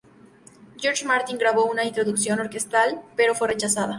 George Martin grabó una introducción orquestal, pero fue rechazada.